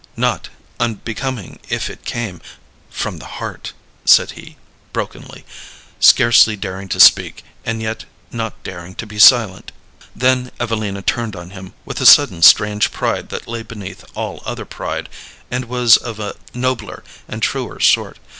"Not unbecoming if it came from the heart," said he, brokenly, scarcely daring to speak, and yet not daring to be silent. Then Evelina turned on him, with a sudden strange pride that lay beneath all other pride, and was of a nobler and truer sort.